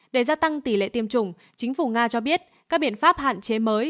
để gia tăng tỷ lệ tiêm chủng chính phủ nga cho biết các biện pháp hạn chế mới